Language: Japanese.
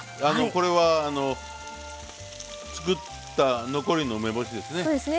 これは作った残りの梅干しですね。